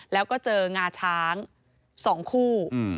แล้วก็เจองาช้าง๒คู่